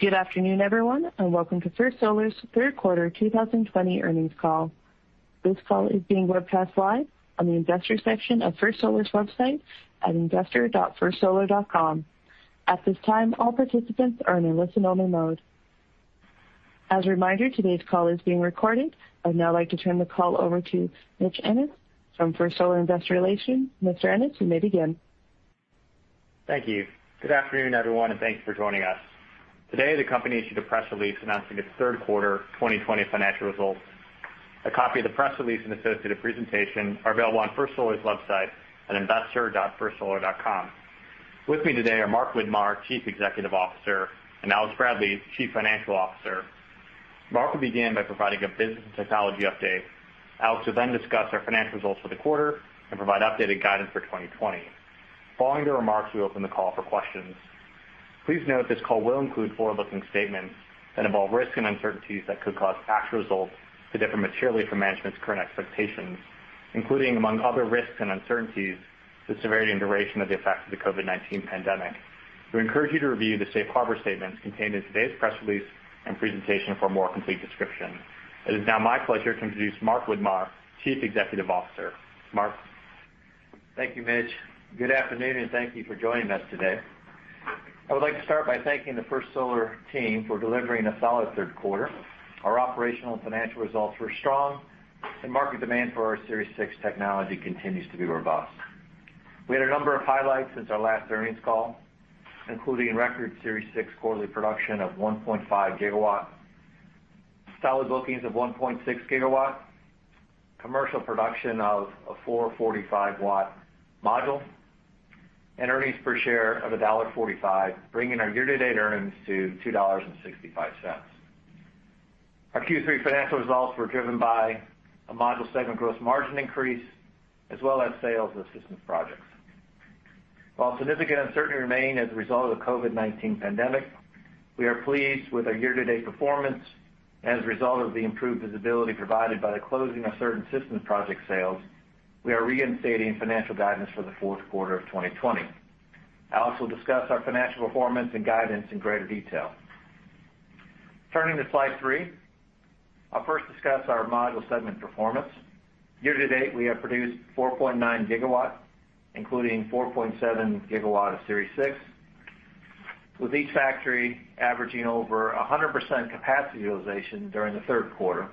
Good afternoon, everyone, and welcome to First Solar's third quarter 2020 earnings call. This call is being webcast live on the Investors section of First Solar's website at investor.firstsolar.com. At this time, all participants are in a listen-only mode. As a reminder, today's call is being recorded. I'd now like to turn the call over to Mitch Ennis from First Solar Investor Relations. Mr. Ennis, you may begin. Thank you. Good afternoon, everyone, thanks for joining us. Today, the company issued a press release announcing its third quarter 2020 financial results. A copy of the press release and associated presentation are available on First Solar's website at investor.firstsolar.com. With me today are Mark Widmar, Chief Executive Officer, and Alex Bradley, Chief Financial Officer. Mark will begin by providing a business technology update. Alex will discuss our financial results for the quarter and provide updated guidance for 2020. Following their remarks, we open the call for questions. Please note this call will include forward-looking statements that involve risks and uncertainties that could cause actual results to differ materially from management's current expectations, including, among other risks and uncertainties, the severity and duration of the effects of the COVID-19 pandemic. We encourage you to review the safe harbor statements contained in today's press release and presentation for a more complete description. It is now my pleasure to introduce Mark Widmar, Chief Executive Officer. Mark? Thank you, Mitch. Good afternoon, and thank you for joining us today. I would like to start by thanking the First Solar team for delivering a solid third quarter. Our operational and financial results were strong, and market demand for our Series 6 technology continues to be robust. We had a number of highlights since our last earnings call, including record Series 6 quarterly production of 1.5 GW, solid bookings of 1.6 GW, commercial production of a 445 W module, and earnings per share of $1.45, bringing our year-to-date earnings to $2.65. Our Q3 financial results were driven by a module segment gross margin increase as well as sales of systems projects. While significant uncertainty remain as a result of the COVID-19 pandemic, we are pleased with our year-to-date performance. As a result of the improved visibility provided by the closing of certain systems project sales, we are reinstating financial guidance for the fourth quarter of 2020. Alex will discuss our financial performance and guidance in greater detail. Turning to slide three, I'll first discuss our module segment performance. Year to date, we have produced 4.9 GW, including 4.7 GW of Series 6, with each factory averaging over 100% capacity utilization during the third quarter.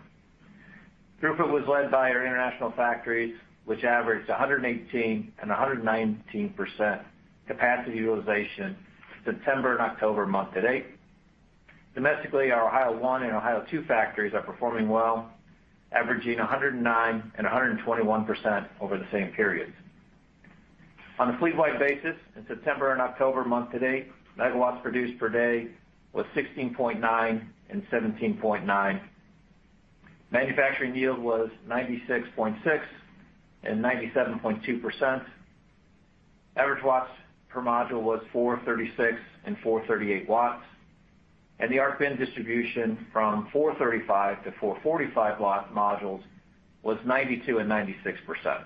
Throughput was led by our international factories, which averaged 118% and 119% capacity utilization September and October month to date. Domestically, our Ohio One and Ohio Two factories are performing well, averaging 109% and 121% over the same periods. On a fleet-wide basis, in September and October month to date, megawatts produced per day was 16.9 MW and 17.9 MW. Manufacturing yield was 96.6% and 97.2%. Average watts per module was 436 W and 438 W the arc bin distribution from 435 W to 445 W modules was 92% and 96%.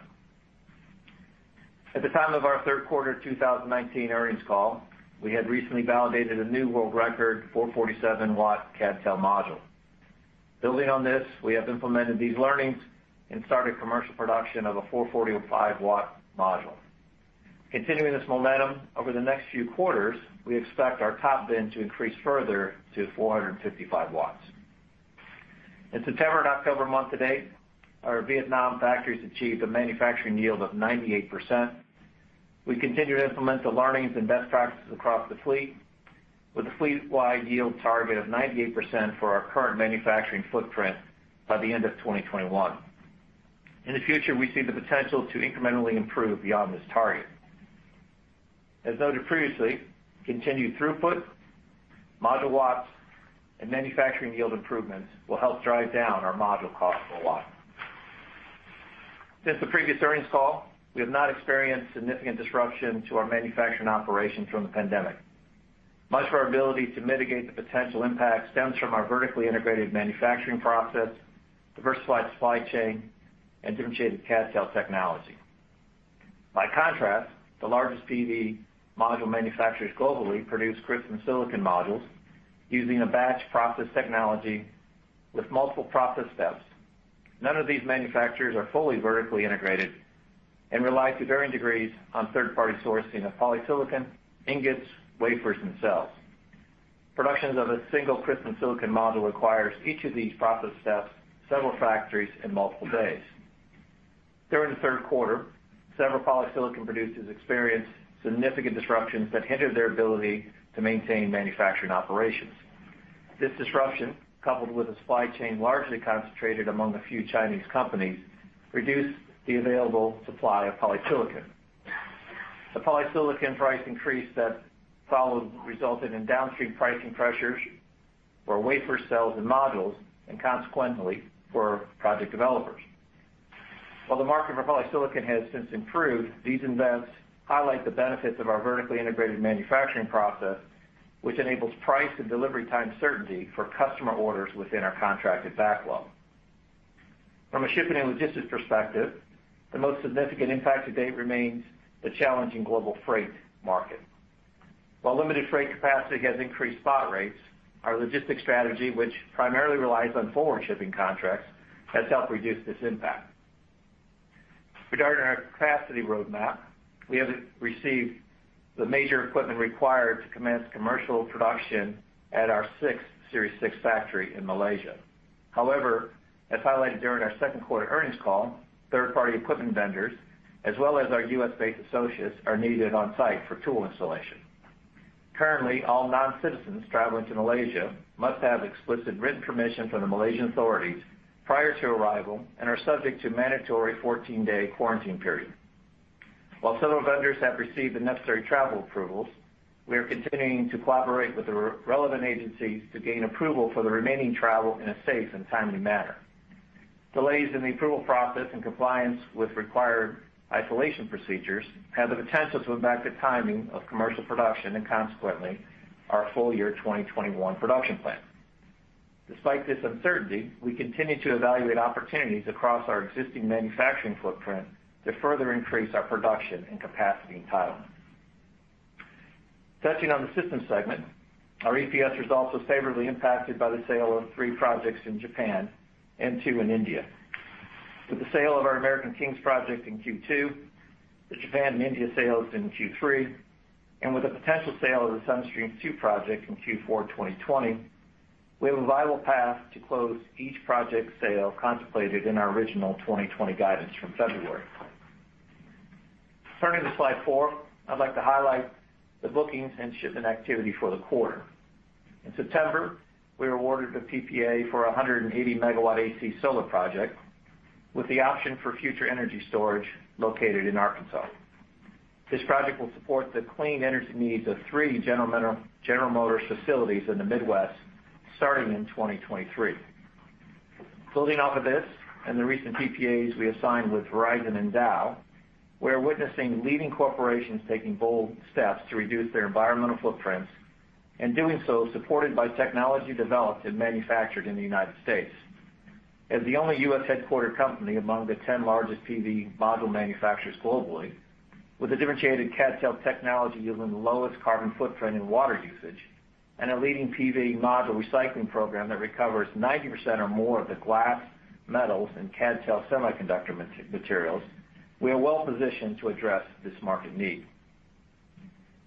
At the time of our third quarter 2019 earnings call, we had recently validated a new world record 447 W CdTe module. Building on this, we have implemented these learnings and started commercial production of a 445 W module. Continuing this momentum over the next few quarters, we expect our top bin to increase further to 455 W. In September and October month to date, our Vietnam factories achieved a manufacturing yield of 98%. We continue to implement the learnings and best practices across the fleet, with a fleet-wide yield target of 98% for our current manufacturing footprint by the end of 2021. In the future, we see the potential to incrementally improve beyond this target. As noted previously, continued throughput, module watts, and manufacturing yield improvements will help drive down our module costs a lot. Since the previous earnings call, we have not experienced significant disruption to our manufacturing operations from the pandemic. Much of our ability to mitigate the potential impact stems from our vertically integrated manufacturing process, diversified supply chain, and differentiated CdTe technology. By contrast, the largest PV module manufacturers globally produce crystalline silicon modules using a batch process technology with multiple process steps. None of these manufacturers are fully vertically integrated and rely to varying degrees on third-party sourcing of polysilicon, ingots, wafers, and cells. Productions of a single crystalline silicon module requires each of these process steps, several factories, and multiple days. During the third quarter, several polysilicon producers experienced significant disruptions that hindered their ability to maintain manufacturing operations. This disruption, coupled with a supply chain largely concentrated among a few Chinese companies, reduced the available supply of polysilicon. The polysilicon price increase that followed resulted in downstream pricing pressures for wafer cells and modules, and consequently for project developers. While the market for polysilicon has since improved, these events highlight the benefits of our vertically integrated manufacturing process, which enables price and delivery time certainty for customer orders within our contracted backlog. From a shipping and logistics perspective, the most significant impact to date remains the challenging global freight market. While limited freight capacity has increased spot rates, our logistics strategy, which primarily relies on forward shipping contracts, has helped reduce this impact. Regarding our capacity roadmap, we haven't received the major equipment required to commence commercial production at our sixth Series 6 factory in Malaysia. However, as highlighted during our second quarter earnings call, third-party equipment vendors, as well as our U.S.-based associates, are needed on site for tool installation. Currently, all non-citizens traveling to Malaysia must have explicit written permission from the Malaysian authorities prior to arrival and are subject to a mandatory 14-day quarantine period. While several vendors have received the necessary travel approvals, we are continuing to collaborate with the relevant agencies to gain approval for the remaining travel in a safe and timely manner. Delays in the approval process and compliance with required isolation procedures have the potential to impact the timing of commercial production, and consequently, our full year 2021 production plan. Despite this uncertainty, we continue to evaluate opportunities across our existing manufacturing footprint to further increase our production and capacity entitlement. Touching on the systems segment, our EPS was also favorably impacted by the sale of three projects in Japan and two in India. With the sale of our American Kings project in Q2, the Japan and India sales in Q3, and with the potential sale of the Sun Streams 2 project in Q4 2020, we have a viable path to close each project sale contemplated in our original 2020 guidance from February. Turning to slide four, I'd like to highlight the bookings and shipment activity for the quarter. In September, we were awarded the PPA for 180 MW AC solar project, with the option for future energy storage located in Arkansas. This project will support the clean energy needs of three General Motors facilities in the Midwest starting in 2023. Building off of this and the recent PPAs we have signed with Verizon and Dow, we are witnessing leading corporations taking bold steps to reduce their environmental footprints, and doing so supported by technology developed and manufactured in the United States. As the only U.S.-headquartered company among the 10 largest PV module manufacturers globally, with a differentiated CdTe technology yielding the lowest carbon footprint and water usage and a leading PV module recycling program that recovers 90% or more of the glass, metals, and CdTe semiconductor materials, we are well positioned to address this market need.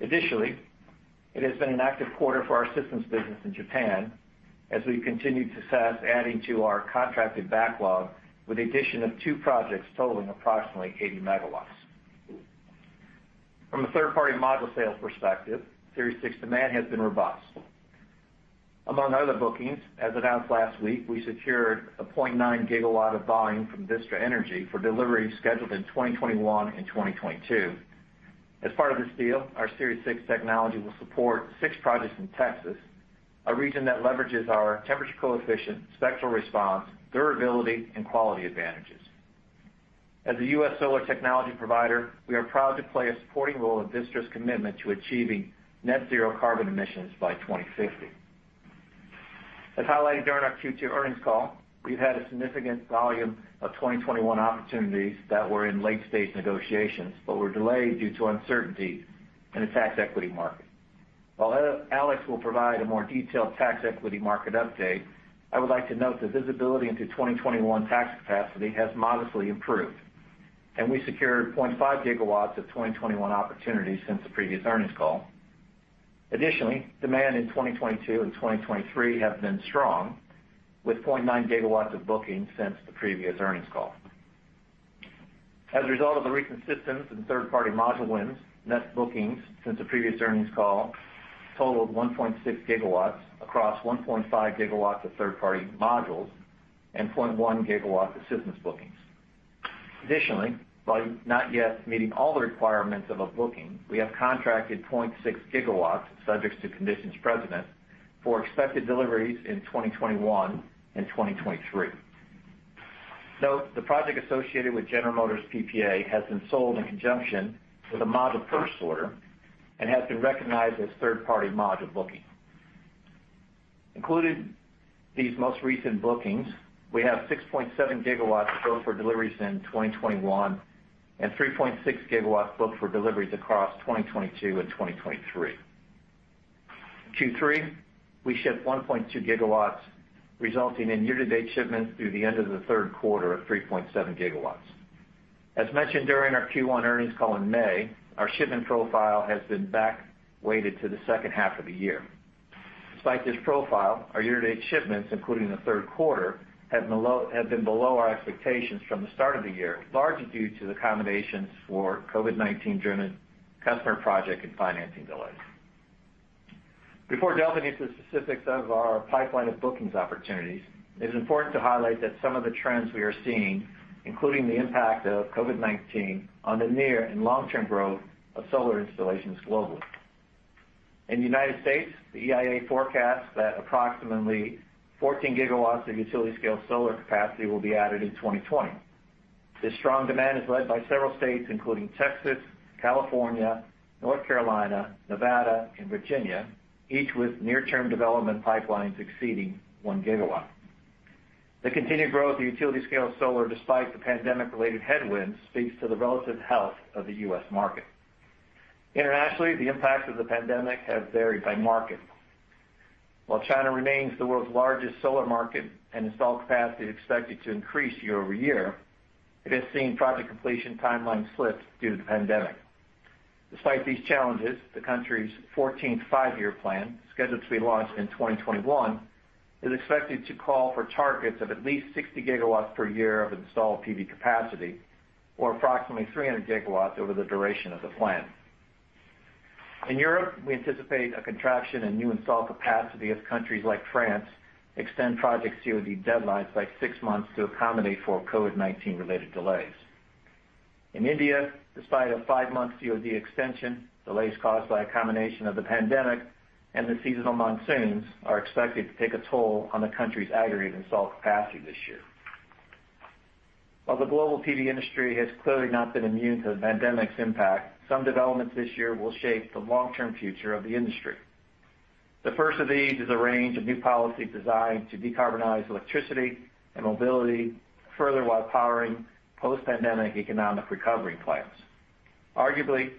Additionally, it has been an active quarter for our systems business in Japan as we continue to adding to our contracted backlog with the addition of two projects totaling approximately 80 MW. From a third-party module sales perspective, Series 6 demand has been robust. Among other bookings, as announced last week, we secured 0.9 GW of volume from Vistra Energy for delivery scheduled in 2021 and 2022. As part of this deal, our Series 6 technology will support six projects in Texas, a region that leverages our temperature coefficient, spectral response, durability, and quality advantages. As a U.S. solar technology provider, we are proud to play a supporting role in Vistra's commitment to achieving net zero carbon emissions by 2050. As highlighted during our Q2 earnings call, we've had a significant volume of 2021 opportunities that were in late-stage negotiations but were delayed due to uncertainty in the tax equity market. While Alex will provide a more detailed tax equity market update, I would like to note that visibility into 2021 tax capacity has modestly improved. We secured 0.5 GW of 2021 opportunities since the previous earnings call. Additionally, demand in 2022 and 2023 have been strong with 0.9 GW of bookings since the previous earnings call. As a result of the recent systems and third-party module wins, net bookings since the previous earnings call totaled 1.6 GW across 1.5 GW of third-party modules and 0.1 GW of systems bookings. Additionally, while not yet meeting all the requirements of a booking, we have contracted 0.6 GW subjects to conditions precedent for expected deliveries in 2021 and 2023. Note, the project associated with General Motors PPA has been sold in conjunction with a module purchase order and has been recognized as third-party module booking. Including these most recent bookings, we have 6.7 GW booked for deliveries in 2021 and 3.6 GW booked for deliveries across 2022 and 2023. Q3, we shipped 1.2 GW resulting in year-to-date shipments through the end of the third quarter of 3.7 GW. As mentioned during our Q1 earnings call in May, our shipment profile has been back weighted to the second half of the year. Despite this profile, our year-to-date shipments, including the third quarter, have been below our expectations from the start of the year, largely due to the accommodations for COVID-19 driven customer project and financing delays. Before delving into the specifics of our pipeline of bookings opportunities, it is important to highlight that some of the trends we are seeing, including the impact of COVID-19 on the near and long-term growth of solar installations globally. In the United States, the EIA forecasts that approximately 14 GW of utility-scale solar capacity will be added in 2020. This strong demand is led by several states including Texas, California, North Carolina, Nevada, and Virginia, each with near-term development pipelines exceeding 1 GW. The continued growth of utility-scale solar despite the pandemic-related headwinds speaks to the relative health of the U.S. market. Internationally, the impact of the pandemic has varied by market. While China remains the world's largest solar market, and installed capacity is expected to increase year-over-year, it has seen project completion timelines slip due to the pandemic. Despite these challenges, the country's 14th Five-Year Plan, scheduled to be launched in 2021, is expected to call for targets of at least 60 GW per year of installed PV capacity, or approximately 300 GW over the duration of the plan. In Europe, we anticipate a contraction in new installed capacity as countries like France extend project COD deadlines by six months to accommodate for COVID-19-related delays. In India, despite a five-month COD extension, delays caused by a combination of the pandemic and the seasonal monsoons are expected to take a toll on the country's aggregate installed capacity this year. While the global PV industry has clearly not been immune to the pandemic's impact, some developments this year will shape the long-term future of the industry. The first of these is a range of new policies designed to decarbonize electricity and mobility, further while powering post-pandemic economic recovery plans. Arguably,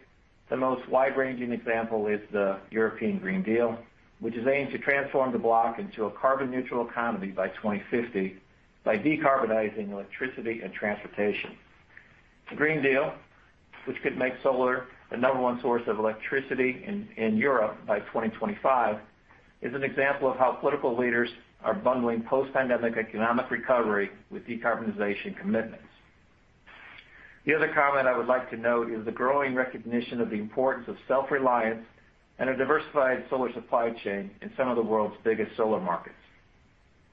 the most wide-ranging example is the European Green Deal, which is aimed to transform the bloc into a carbon-neutral economy by 2050, by decarbonizing electricity and transportation. The Green Deal, which could make solar the number one source of electricity in Europe by 2025, is an example of how political leaders are bundling post-pandemic economic recovery with decarbonization commitments. The other comment I would like to note is the growing recognition of the importance of self-reliance and a diversified solar supply chain in some of the world's biggest solar markets.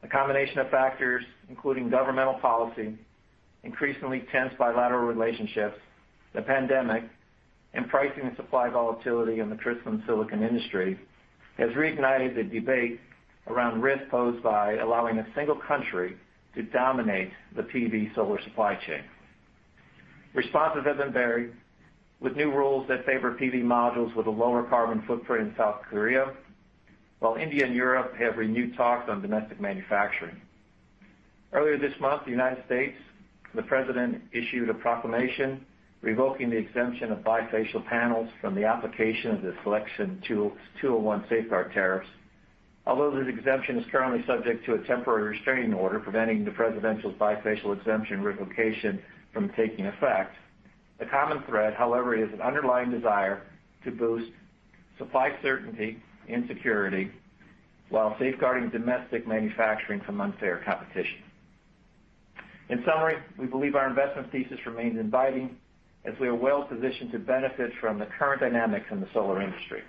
A combination of factors, including governmental policy, increasingly tense bilateral relationships, the pandemic, and pricing and supply volatility in the crystalline silicon industry, has reignited the debate around risks posed by allowing a single country to dominate the PV solar supply chain. Responses have been varied, with new rules that favor PV modules with a lower carbon footprint in South Korea, while India and Europe have renewed talks on domestic manufacturing. Earlier this month, the United States, the President issued a proclamation revoking the exemption of bifacial panels from the application of the Section 201 safeguard tariffs. Although this exemption is currently subject to a temporary restraining order preventing the presidential bifacial exemption revocation from taking effect, the common thread, however, is an underlying desire to boost supply certainty and security while safeguarding domestic manufacturing from unfair competition. In summary, we believe our investment thesis remains inviting as we are well positioned to benefit from the current dynamics in the solar industry.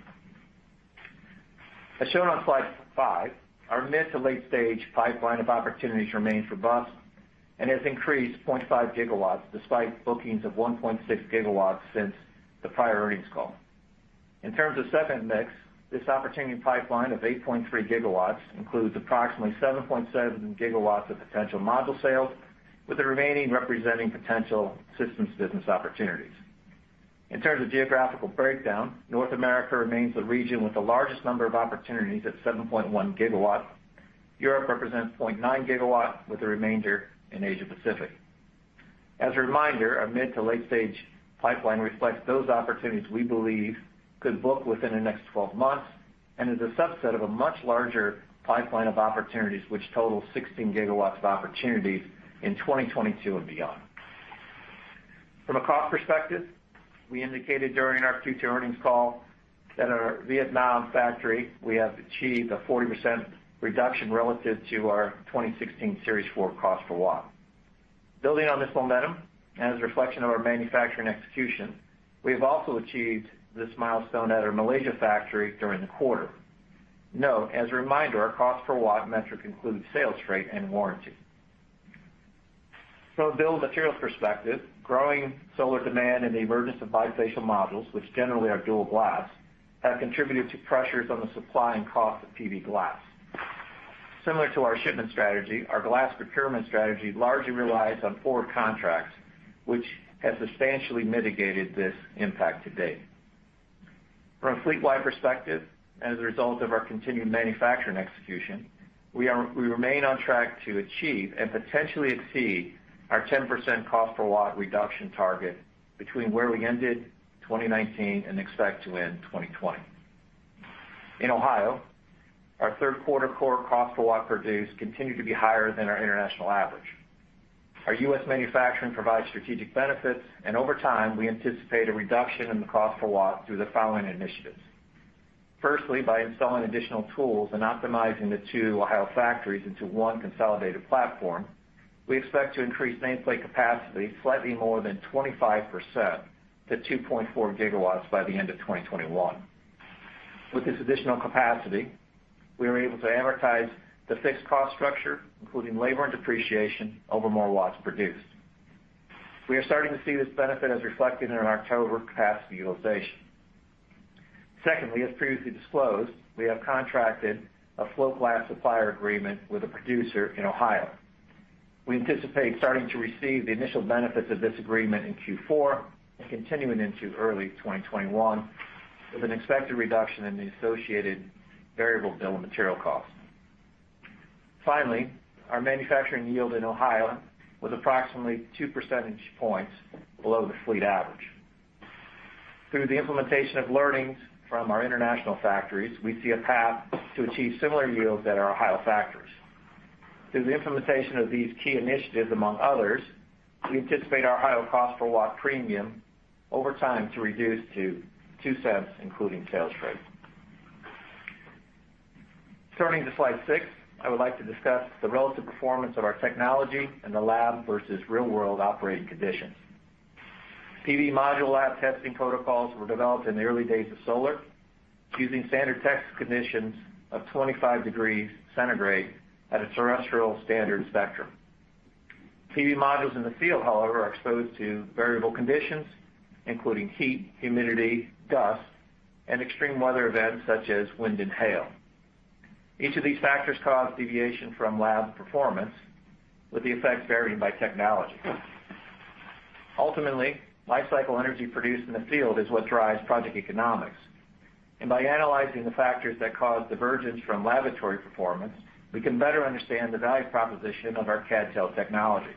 As shown on slide five, our mid to late-stage pipeline of opportunities remains robust and has increased 0.5 GW despite bookings of 1.6 GW since the prior earnings call. In terms of segment mix, this opportunity pipeline of 8.3 GW includes approximately 7.7 GW of potential module sales, with the remaining representing potential systems business opportunities. In terms of geographical breakdown, North America remains the region with the largest number of opportunities at 7.1 GW. Europe represents 0.9 GW, with the remainder in Asia-Pacific. As a reminder, our mid to late-stage pipeline reflects those opportunities we believe could book within the next 12 months and is a subset of a much larger pipeline of opportunities which total 16 GW of opportunities in 2022 and beyond. From a cost perspective, we indicated during our Q2 earnings call that our Vietnam factory, we have achieved a 40% reduction relative to our 2016 Series 4 cost per watt. Building on this momentum, as a reflection of our manufacturing execution, we have also achieved this milestone at our Malaysia factory during the quarter. Note, as a reminder, our cost per watt metric includes sales freight and warranty. From a bill of materials perspective, growing solar demand and the emergence of bifacial modules, which generally are dual glass, have contributed to pressures on the supply and cost of PV glass. Similar to our shipment strategy, our glass procurement strategy largely relies on forward contracts, which have substantially mitigated this impact to date. From a fleet-wide perspective, as a result of our continued manufacturing execution, we remain on track to achieve and potentially exceed our 10% cost per watt reduction target between where we ended 2019 and expect to end 2020. In Ohio, our third quarter core cost per watt produced continued to be higher than our international average. Our U.S. manufacturing provides strategic benefits, and over time, we anticipate a reduction in the cost per watt through the following initiatives. Firstly, by installing additional tools and optimizing the two Ohio factories into one consolidated platform, we expect to increase nameplate capacity slightly more than 25% to 2.4 GW by the end of 2021. With this additional capacity, we are able to amortize the fixed cost structure, including labor and depreciation, over more watts produced. We are starting to see this benefit as reflected in our October capacity utilization. Secondly, as previously disclosed, we have contracted a float glass supplier agreement with a producer in Ohio. We anticipate starting to receive the initial benefits of this agreement in Q4 and continuing into early 2021, with an expected reduction in the associated variable bill of material costs. Finally, our manufacturing yield in Ohio was approximately two percentage points below the fleet average. Through the implementation of learnings from our international factories, we see a path to achieve similar yields at our Ohio factories. Through the implementation of these key initiatives, among others, we anticipate our Ohio cost per watt premium over time to reduce to $0.02, including sales freight. Turning to slide six, I would like to discuss the relative performance of our technology in the lab versus real-world operating conditions. PV module lab testing protocols were developed in the early days of solar, using standard test conditions of 25 degrees Celsius at a terrestrial standard spectrum. PV modules in the field, however, are exposed to variable conditions, including heat, humidity, dust, and extreme weather events such as wind and hail. Each of these factors cause deviation from lab performance, with the effects varying by technology. Ultimately, life cycle energy produced in the field is what drives project economics. By analyzing the factors that cause divergence from laboratory performance, we can better understand the value proposition of our CdTe technology.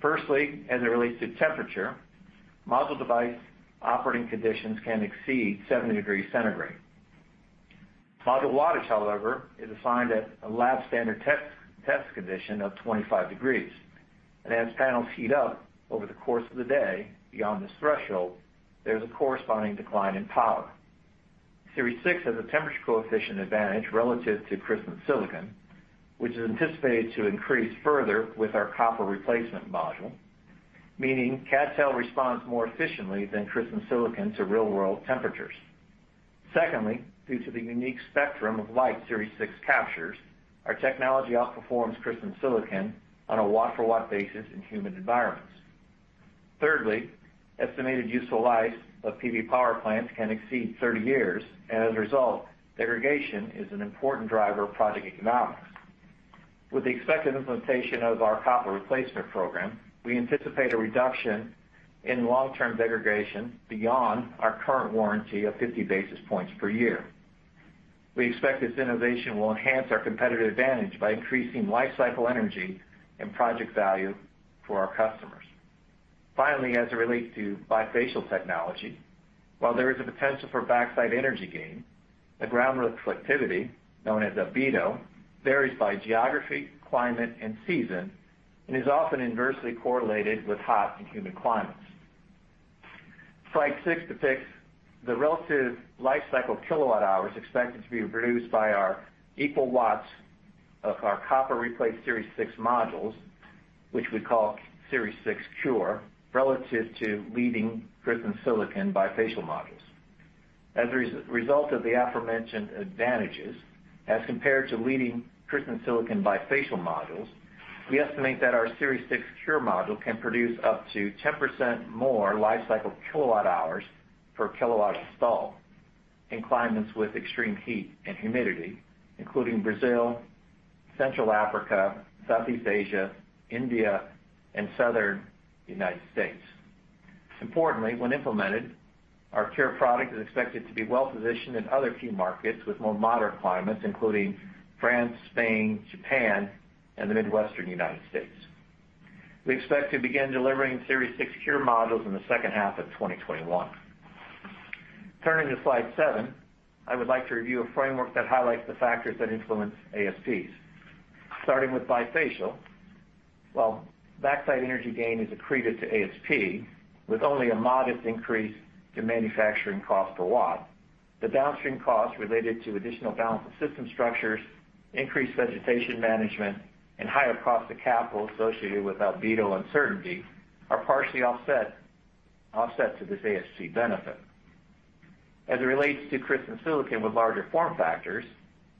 Firstly, as it relates to temperature, module device operating conditions can exceed 70 degrees Celsius. Module wattage, however, is assigned at a lab standard test condition of 25 degrees, and as panels heat up over the course of the day, beyond this threshold, there's a corresponding decline in power. Series 6 has a temperature coefficient advantage relative to crystalline silicon, which is anticipated to increase further with our copper replacement module, meaning CdTe responds more efficiently than crystalline silicon to real-world temperatures. Secondly, due to the unique spectrum of light Series 6 captures, our technology outperforms crystalline silicon on a watt-for-watt basis in humid environments. Thirdly, estimated useful life of PV power plants can exceed 30 years, and as a result, degradation is an important driver of project economics. With the expected implementation of our copper replacement program, we anticipate a reduction in long-term degradation beyond our current warranty of 50 basis points per year. We expect this innovation will enhance our competitive advantage by increasing life cycle energy and project value for our customers. Finally, as it relates to bifacial technology, while there is a potential for backside energy gain, the ground reflectivity, known as albedo, varies by geography, climate, and season, and is often inversely correlated with hot humid climates. Slide six depicts the relative life cycle kilowatt hours expected to be produced by our equal watts of our copper replaced Series 6 modules, which we call Series 6 CuRe, relative to leading crystalline silicon bifacial modules. As a result of the aforementioned advantages, as compared to leading crystalline silicon bifacial modules, we estimate that our Series 6 CuRe module can produce up to 10% more life cycle kilowatt hours per kilowatt installed in climates with extreme heat and humidity, including Brazil, Central Africa, Southeast Asia, India, and southern United States. Importantly, when implemented, our CuRe product is expected to be well-positioned in other key markets with more moderate climates, including France, Spain, Japan, and the Midwestern United States. We expect to begin delivering Series 6 CuRe modules in the second half of 2021. Turning to slide seven, I would like to review a framework that highlights the factors that influence ASPs. Starting with bifacial, while backside energy gain is accretive to ASP with only a modest increase to manufacturing cost per watt, the downstream costs related to additional balance-of-system structures, increased vegetation management, and higher cost of capital associated with albedo uncertainty, are partially offset to this ASP benefit. As it relates to crystalline silicon with larger form factors,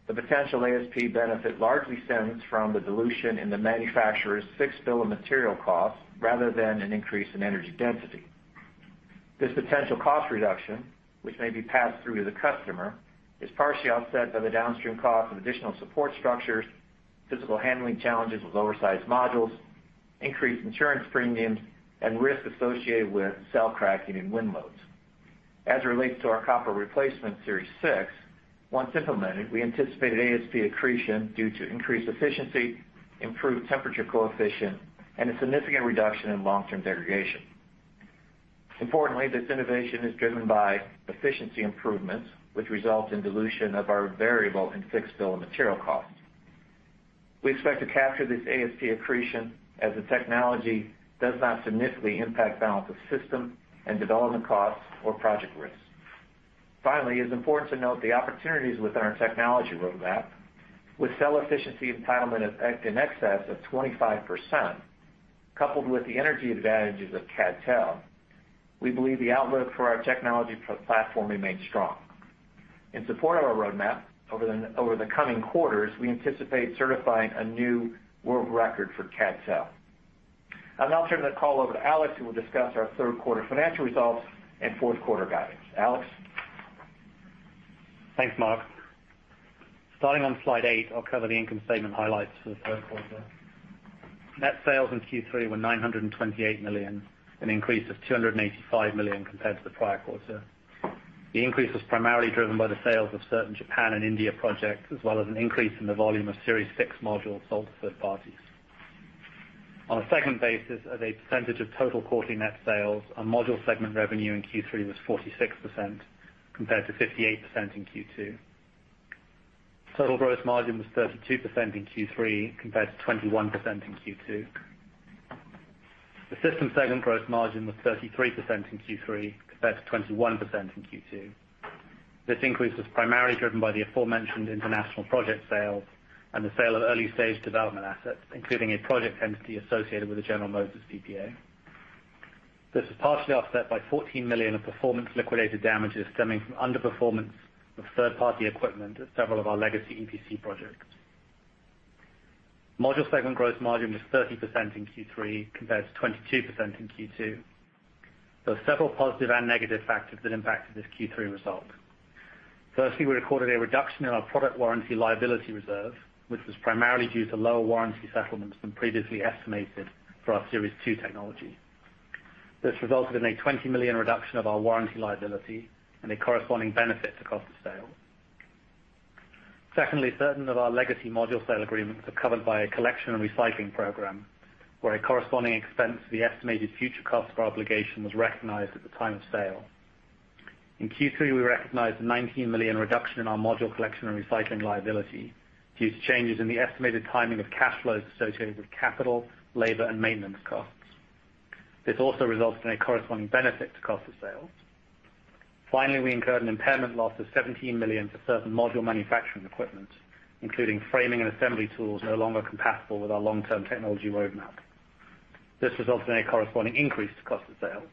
the potential ASP benefit largely stems from the dilution in the manufacturer's fixed bill of material costs rather than an increase in energy density. This potential cost reduction, which may be passed through to the customer, is partially offset by the downstream cost of additional support structures, physical handling challenges with oversized modules, increased insurance premiums, and risk associated with cell cracking and wind loads. As it relates to our copper replacement Series 6, once implemented, we anticipate ASP accretion due to increased efficiency, improved temperature coefficient, and a significant reduction in long-term degradation. Importantly, this innovation is driven by efficiency improvements, which result in dilution of our variable and fixed bill of material costs. We expect to capture this ASP accretion as the technology does not significantly impact balance-of-system and development costs or project risks. Finally, it is important to note the opportunities within our technology roadmap. With cell efficiency entitlement in excess of 25%, coupled with the energy advantages of CdTe, we believe the outlook for our technology platform remains strong. In support of our roadmap over the coming quarters, we anticipate certifying a new world record for CdTe. I'll now turn the call over to Alex, who will discuss our third quarter financial results and fourth quarter guidance. Alex? Thanks, Mark. Starting on slide eight, I'll cover the income statement highlights for the third quarter. Net sales in Q3 were $928 million, an increase of $285 million compared to the prior quarter. The increase was primarily driven by the sales of certain Japan and India projects, as well as an increase in the volume of Series 6 modules sold to third parties. On a segment basis, as a percentage of total quarterly net sales, our module segment revenue in Q3 was 46% compared to 58% in Q2. Total gross margin was 32% in Q3 compared to 21% in Q2. The system segment gross margin was 33% in Q3 compared to 21% in Q2. This increase was primarily driven by the aforementioned international project sale and the sale of early-stage development assets, including a project entity associated with the General Motors PPA. This was partially offset by $14 million of performance liquidated damages stemming from underperformance of third-party equipment at several of our legacy EPC projects. Module segment gross margin was 30% in Q3 compared to 22% in Q2. There were several positive and negative factors that impacted this Q3 result. Firstly, we recorded a reduction in our product warranty liability reserve, which was primarily due to lower warranty settlements than previously estimated for our Series 2 technology. This resulted in a $20 million reduction of our warranty liability and a corresponding benefit to cost of sale. Secondly, certain of our legacy module sale agreements are covered by a collection and recycling program where a corresponding expense for the estimated future cost of our obligation was recognized at the time of sale. In Q3, we recognized a $19 million reduction in our module collection and recycling liability due to changes in the estimated timing of cash flows associated with capital, labor, and maintenance costs. This also resulted in a corresponding benefit to cost of sales. Finally, we incurred an impairment loss of $17 million to certain module manufacturing equipment, including framing and assembly tools no longer compatible with our long-term technology roadmap. This resulted in a corresponding increase to cost of sales.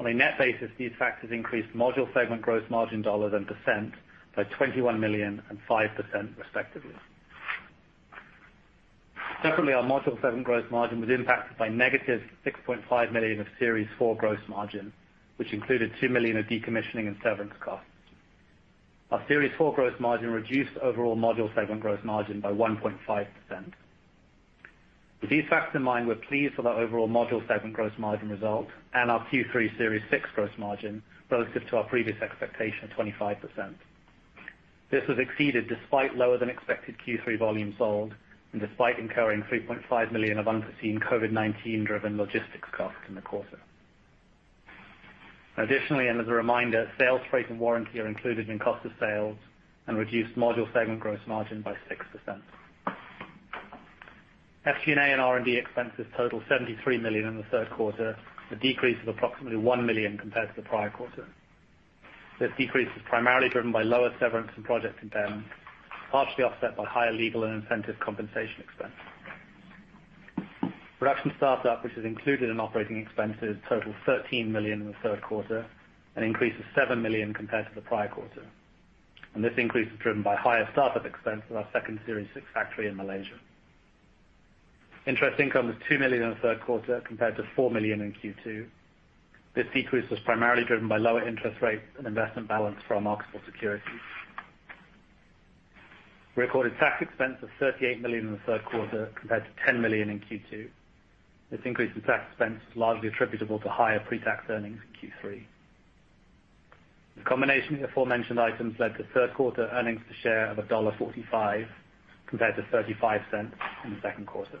On a net basis, these factors increased module segment gross margin dollars and percent by $21 million and 5% respectively. Our module segment gross margin was impacted by -$6.5 million of Series 4 gross margin, which included $2 million of decommissioning and severance costs. Our Series 4 gross margin reduced overall module segment gross margin by 1.5%. With these facts in mind, we're pleased with our overall module segment gross margin result and our Q3 Series 6 gross margin relative to our previous expectation of 25%. This was exceeded despite lower than expected Q3 volumes sold and despite incurring $3.5 million of unforeseen COVID-19-driven logistics costs in the quarter. Additionally, and as a reminder, sales freight and warranty are included in cost of sales and reduced module segment gross margin by 6%. SG&A and R&D expenses totaled $73 million in the third quarter, a decrease of approximately $1 million compared to the prior quarter. This decrease was primarily driven by lower severance and project impairment, partially offset by higher legal and incentive compensation expense. Production startup, which is included in operating expenses, totaled $13 million in the third quarter, an increase of $7 million compared to the prior quarter. This increase was driven by higher startup expense for our second Series 6 factory in Malaysia. Interest income was $2 million in the third quarter compared to $4 million in Q2. This decrease was primarily driven by lower interest rates and investment balance for our marketable securities. We recorded tax expense of $38 million in the third quarter compared to $10 million in Q2. This increase in tax expense is largely attributable to higher pre-tax earnings in Q3. The combination of the aforementioned items led to third quarter earnings per share of $1.45 compared to $0.35 in the second quarter.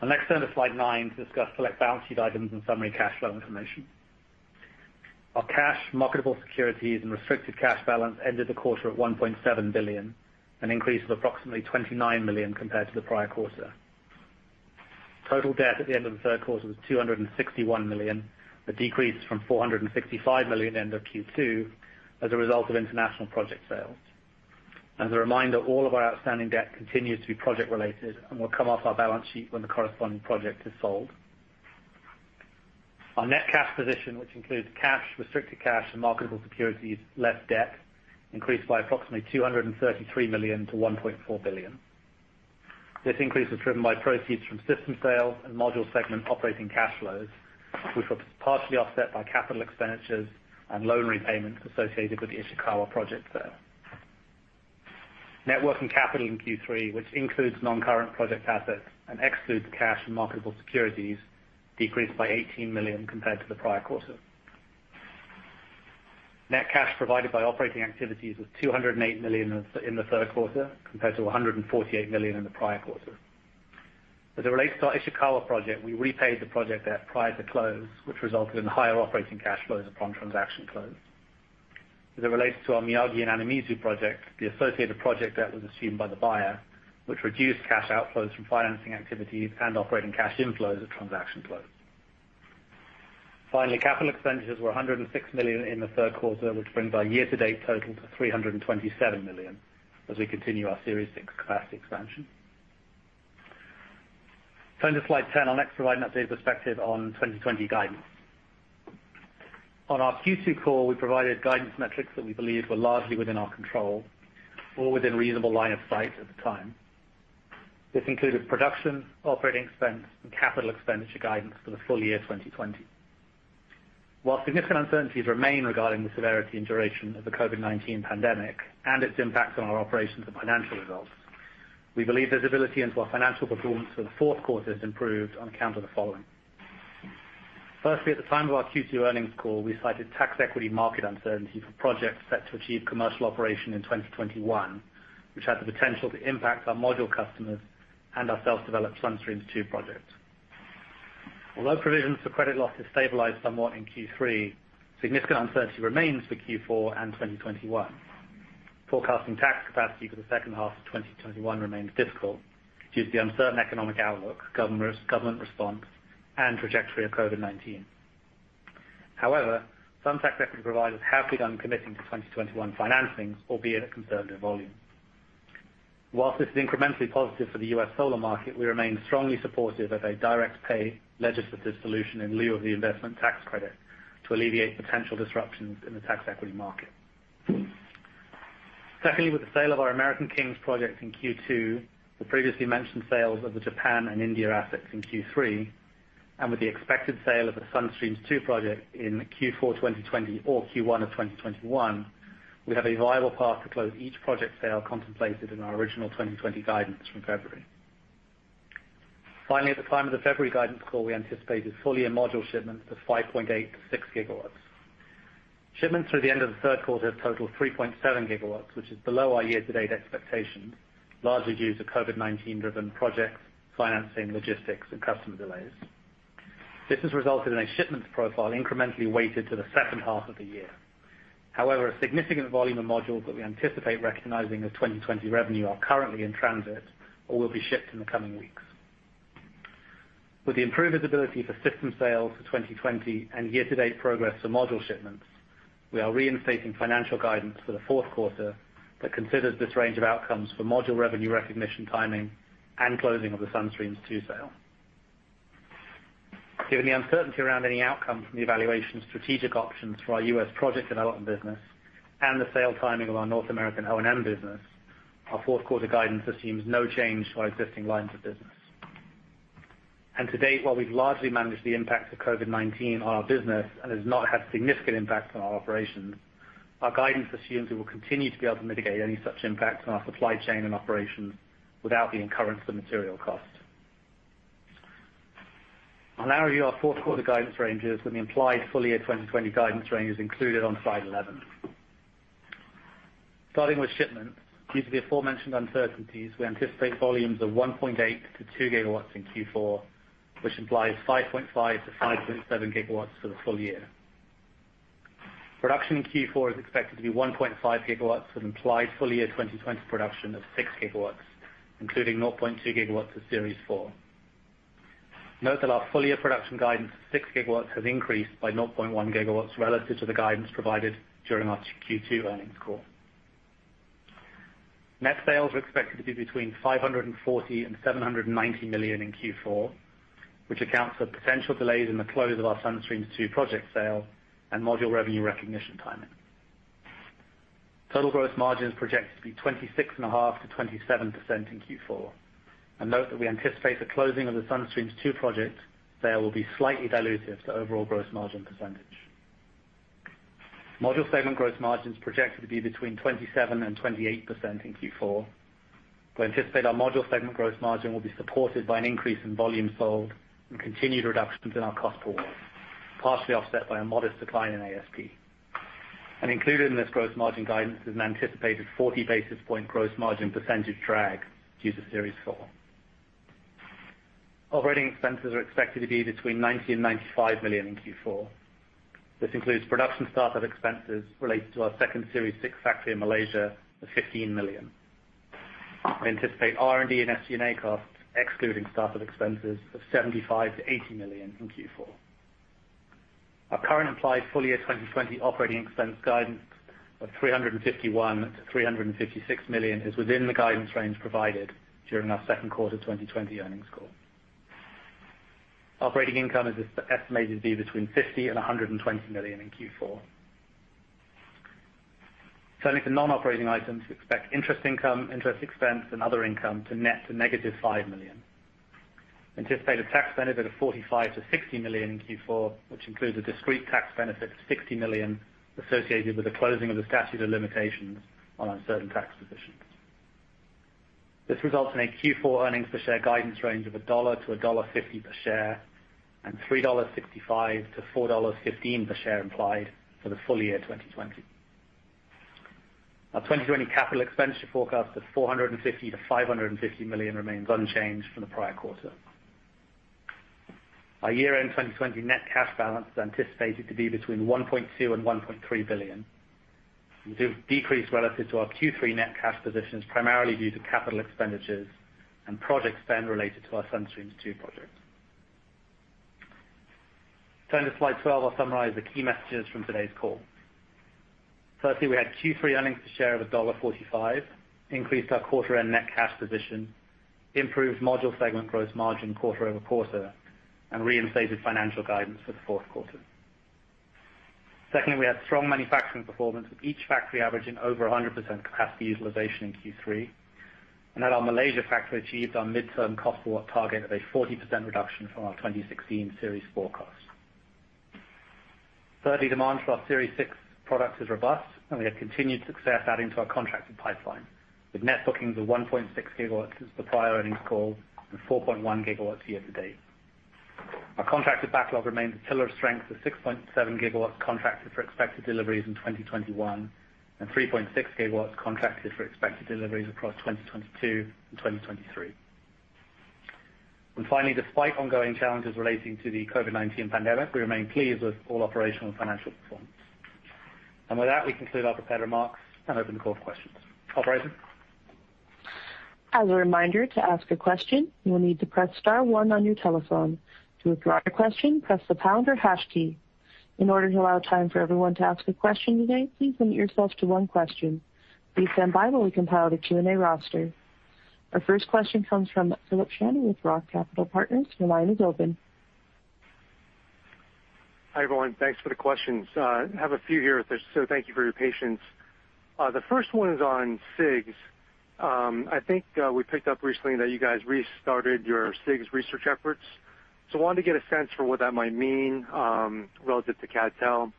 I'll next turn to slide nine to discuss select balance sheet items and summary cash flow information. Our cash, marketable securities, and restricted cash balance ended the quarter at $1.7 billion, an increase of approximately $29 million compared to the prior quarter. Total debt at the end of the third quarter was $261 million, a decrease from $465 million at end of Q2 as a result of international project sales. As a reminder, all of our outstanding debt continues to be project related and will come off our balance sheet when the corresponding project is sold. Our net cash position, which includes cash, restricted cash, and marketable securities, less debt, increased by approximately $233 million to $1.4 billion. This increase was driven by proceeds from system sales and module segment operating cash flows, which were partially offset by capital expenditures and loan repayments associated with the Ishikawa project sale. Net working capital in Q3, which includes non-current project assets and excludes cash and marketable securities, decreased by $18 million compared to the prior quarter. Net cash provided by operating activities was $208 million in the third quarter, compared to $148 million in the prior quarter. As it relates to our Ishikawa project, we repaid the project debt prior to close, which resulted in higher operating cash flows upon transaction close. As it relates to our Miyagi and Anamizu project, the associated project debt was assumed by the buyer, which reduced cash outflows from financing activities and operating cash inflows at transaction close. Finally, capital expenditures were $106 million in the third quarter, which brings our year-to-date total to $327 million as we continue our Series 6 capacity expansion. Turning to slide 10, I'll next provide an updated perspective on 2020 guidance. On our Q2 call, we provided guidance metrics that we believed were largely within our control or within reasonable line of sight at the time. This included production, operating expense, and capital expenditure guidance for the full year 2020. While significant uncertainties remain regarding the severity and duration of the COVID-19 pandemic and its impact on our operations and financial results, we believe visibility into our financial performance for the fourth quarter has improved on account of the following. At the time of our Q2 earnings call, we cited tax equity market uncertainty for projects set to achieve commercial operation in 2021, which had the potential to impact our module customers and our self-developed Sun Streams 2 project. Provisions for credit losses stabilized somewhat in Q3, significant uncertainty remains for Q4 and 2021. Forecasting tax capacity for the second half of 2021 remains difficult due to the uncertain economic outlook, government response, and trajectory of COVID-19. Some tax equity providers have begun committing to 2021 financings, albeit at conservative volumes. Whilst this is incrementally positive for the U.S. solar market, we remain strongly supportive of a direct pay legislative solution in lieu of the investment tax credit to alleviate potential disruptions in the tax equity market. Secondly, with the sale of our American Kings project in Q2, the previously mentioned sales of the Japan and India assets in Q3, and with the expected sale of the Sun Streams 2 project in Q4 2020 or Q1 of 2021, we have a viable path to close each project sale contemplated in our original 2020 guidance from February. Finally, at the time of the February guidance call, we anticipated full-year module shipments of 5.8 GW to 6 GW. Shipments through the end of the third quarter total 3.7 GW, which is below our year-to-date expectations, largely due to COVID-19-driven projects, financing, logistics, and customer delays. This has resulted in a shipments profile incrementally weighted to the second half of the year. A significant volume of modules that we anticipate recognizing as 2020 revenue are currently in transit or will be shipped in the coming weeks. With the improved visibility for system sales for 2020 and year-to-date progress for module shipments, we are reinstating financial guidance for the fourth quarter that considers this range of outcomes for module revenue recognition timing and closing of the Sun Streams 2 sale. Given the uncertainty around any outcome from the evaluation of strategic options for our U.S. project development business and the sale timing of our North American O&M business, our fourth quarter guidance assumes no change to our existing lines of business. To date, while we've largely managed the impact of COVID-19 on our business and has not had a significant impact on our operations, our guidance assumes it will continue to be able to mitigate any such impacts on our supply chain and operations without the incurrence of material cost. I'll now review our fourth quarter guidance ranges with the implied full year 2020 guidance ranges included on slide 11. Starting with shipments, due to the aforementioned uncertainties, we anticipate volumes of 1.8-2 GW in Q4, which implies 5.5-5.7 GW for the full year. Production in Q4 is expected to be 1.5 GW with implied full year 2020 production of 6 GW, including 0.2 GW of Series 4. Note that our full year production guidance of 6 GW has increased by 0.1 GW relative to the guidance provided during our Q2 earnings call. Net sales are expected to be between $540 million and $790 million in Q4, which accounts for potential delays in the close of our Sun Streams 2 project sale and module revenue recognition timing. Total gross margin is projected to be 26.5%-27% in Q4. Note that we anticipate the closing of the Sun Streams 2 project sale will be slightly dilutive to overall gross margin %. Module segment gross margin is projected to be between 27% and 28% in Q4. We anticipate our module segment gross margin will be supported by an increase in volume sold and continued reductions in our cost pool, partially offset by a modest decline in ASP. Included in this gross margin guidance is an anticipated 40 basis point gross margin % drag due to Series 4. Operating expenses are expected to be between $90 million and $95 million in Q4. This includes production startup expenses related to our second Series 6 factory in Malaysia of $15 million. We anticipate R&D and SG&A costs, excluding startup expenses, of $75 million-$80 million in Q4. Our current implied full year 2020 operating expense guidance of $351 million-$356 million is within the guidance range provided during our second quarter 2020 earnings call. Operating income is estimated to be between $50 million and $120 million in Q4. Turning to non-operating items, we expect interest income, interest expense, and other income to net to -$5 million. We anticipate a tax benefit of $45 million-$60 million in Q4, which includes a discrete tax benefit of $60 million associated with the closing of the statute of limitations on uncertain tax positions. This results in a Q4 earnings per share guidance range of $1.00-$1.50 per share, and $3.65-$4.15 per share implied for the full year 2020. Our 2020 capital expenditure forecast of $450 million-$550 million remains unchanged from the prior quarter. Our year-end 2020 net cash balance is anticipated to be between $1.2 billion and $1.3 billion. We do decrease relative to our Q3 net cash positions primarily due to capital expenditures and project spend related to our Sun Streams 2 project. Turning to slide 12, I'll summarize the key messages from today's call. Firstly, we had Q3 earnings per share of $1.45, increased our quarter-end net cash position, improved module segment gross margin quarter-over-quarter, and reinstated financial guidance for the fourth quarter. Secondly, we had strong manufacturing performance with each factory averaging over 100% capacity utilization in Q3, and at our Malaysia factory, achieved our midterm cost target of a 40% reduction from our 2016 Series 4 cost. Thirdly, demand for our Series 6 products is robust, and we have continued success adding to our contracted pipeline with net bookings of 1.6 GW since the prior earnings call and 4.1 GW year-to-date. Our contracted backlog remains a pillar of strength with 6.7 GW contracted for expected deliveries in 2021, and 3.6 GW contracted for expected deliveries across 2022 and 2023. Finally, despite ongoing challenges relating to the COVID-19 pandemic, we remain pleased with all operational and financial performance. With that, we conclude our prepared remarks and open the call for questions. Operator? As a reminder to ask a question you will need to press star one on your telephone. To withdrawal your question press pound or the hash key. In order to attend everyone to ask a question please keep a limit to yourself for one question. Please stand-by as we compile the Q&A question. Our first question comes from Philip Shen with ROTH Capital Partners. Your line is open. Hi, everyone. Thanks for the questions. Have a few here, so thank you for your patience. The first one is on CIGS. I think we picked up recently that you guys restarted your CIGS research efforts. Wanted to get a sense for what that might mean, relative to CdTe.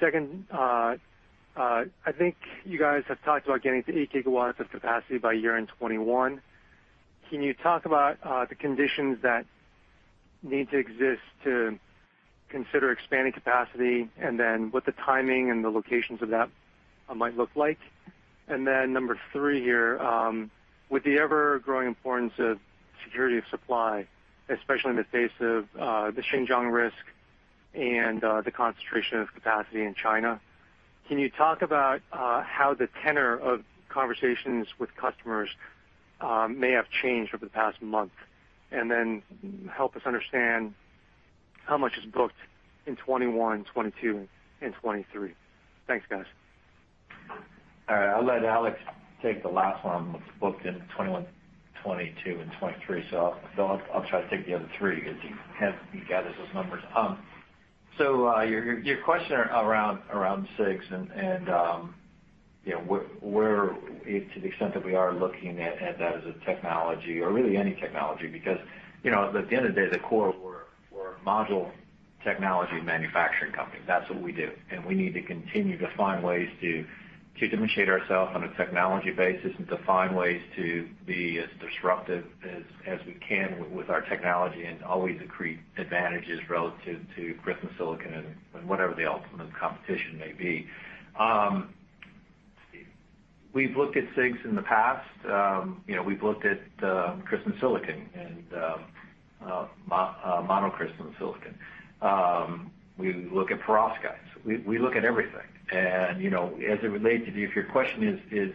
Second, I think you guys have talked about getting to 8 GW of capacity by year-end 2021. Can you talk about the conditions that need to exist to consider expanding capacity, and then what the timing and the locations of that might look like? Number three here, with the ever-growing importance of security of supply, especially in the face of the Xinjiang risk and the concentration of capacity in China, can you talk about how the tenor of conversations with customers may have changed over the past month? Help us understand how much is booked in 2021, 2022, and 2023. Thanks, guys. All right. I'll let Alex take the last one with the booked in 2021, 2022, and 2023. I'll try to take the other three as he gathers those numbers. Your question around CIGS and where, to the extent that we are looking at that as a technology or really any technology, because, at the end of the day, the core, we're a module technology manufacturing company. That's what we do. We need to continue to find ways to differentiate ourselves on a technology basis and to find ways to be as disruptive as we can with our technology and always increase advantages relative to crystalline silicon and whatever the ultimate competition may be. We've looked at CIGS in the past. We've looked at crystalline silicon and monocrystalline silicon. We look at perovskites. We look at everything. As it relates to you, if your question is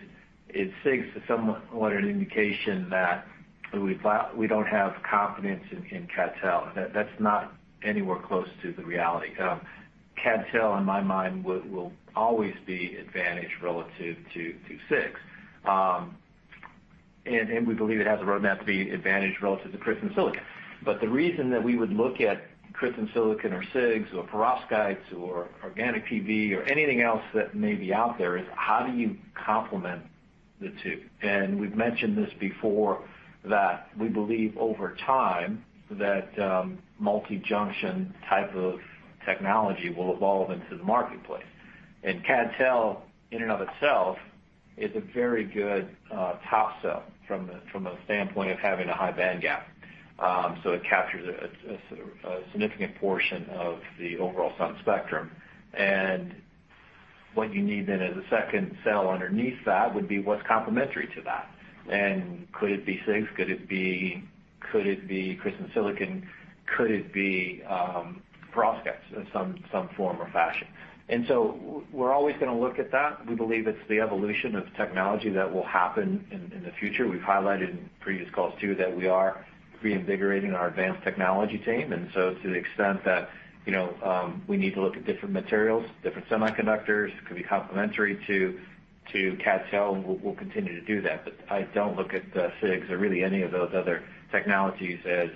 CIGS is somewhat an indication that we don't have confidence in CdTe. That's not anywhere close to the reality. CdTe, in my mind, will always be advantaged relative to CIGS. We believe it has a roadmap to be advantaged relative to crystalline silicon. The reason that we would look at crystalline silicon or CIGS or perovskites or organic PV or anything else that may be out there is how do you complement the two? We've mentioned this before, that we believe over time that multi-junction type of technology will evolve into the marketplace. CdTe, in and of itself, is a very good top cell from a standpoint of having a high bandgap. It captures a significant portion of the overall sun spectrum. What you need then as a second cell underneath that would be what's complementary to that? Could it be CIGS? Could it be crystalline silicon? Could it be perovskites in some form or fashion? We're always going to look at that. We believe it's the evolution of technology that will happen in the future. We've highlighted in previous calls, too, that we are reinvigorating our advanced technology team. To the extent that we need to look at different materials, different semiconductors that could be complementary to CdTe, we'll continue to do that. I don't look at CIGS or really any of those other technologies as